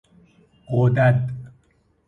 غدد